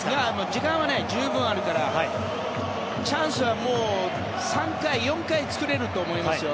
時間は十分あるからチャンスは３回、４回作れると思いますよ。